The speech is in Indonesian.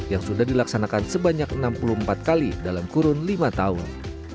yang sudah dilaksanakan sebanyak enam puluh empat kali dalam kurun lima tahun